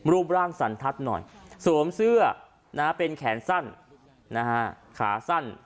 รูปร่างสันทัศน์หน่อยสวมเสื้อเป็นแขนสั้นขาสั้น